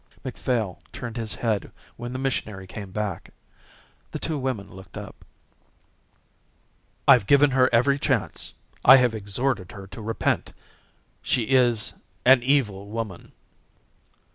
Macphail turned his head when the missionary came back. The two women looked up. "I've given her every chance. I have exhorted her to repent. She is an evil woman."